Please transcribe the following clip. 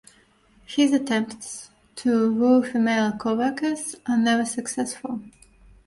His attempts to woo female co-workers are never successful.